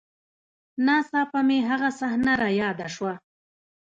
نا څاپه مې هغه صحنه راياده سوه.